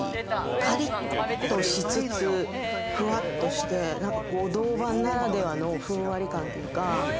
カリッとしつつ、フワッとして何か銅板ならではのふんわり感というか。